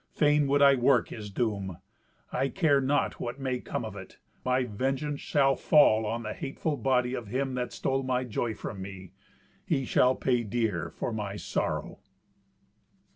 Fain would I work his doom. I care not what may come of it: my vengeance shall fall on the hateful body of him that stole my joy from me. He shall pay dear for my sorrow."